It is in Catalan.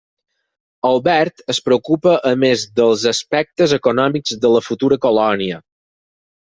Albert es preocupa a més dels aspectes econòmics de la futura colònia.